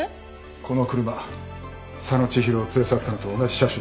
この車佐野千広を連れ去ったのと同じ車種だ。